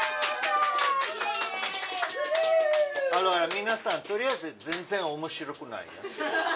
皆さん、とりあえず全然おもしろくないよ。